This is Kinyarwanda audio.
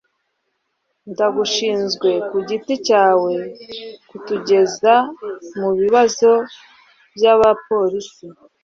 Ndagushinzwe kugiti cyawe kutugeza mubibazo byabapolisi